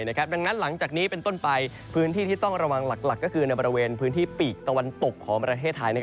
ดังนั้นหลังจากนี้เป็นต้นไปพื้นที่ที่ต้องระวังหลักก็คือในบริเวณพื้นที่ปีกตะวันตกของประเทศไทย